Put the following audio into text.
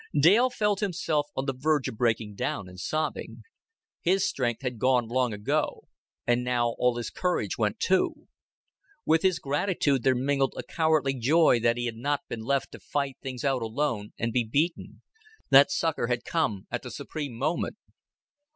Dale felt himself on the verge of breaking down and sobbing. His strength had gone long ago, and now all his courage went too. With his gratitude there mingled a cowardly joy that he had not been left to fight things out alone and be beaten, that succor had come at the supreme moment.